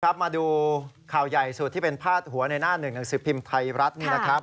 มาดูข่าวใหญ่สุดที่เป็นพาดหัวในหน้าหนึ่งหนังสือพิมพ์ไทยรัฐนี่นะครับ